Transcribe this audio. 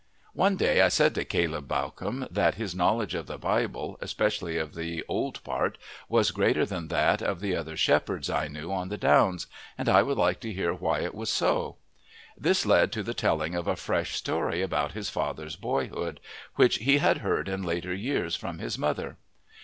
One day I said to Caleb Bawcombe that his knowledge of the Bible, especially of the old part, was greater than that of the other shepherds I knew on the downs, and I would like to hear why it was so. This led to the telling of a fresh story about his father's boyhood, which he had heard in later years from his mother.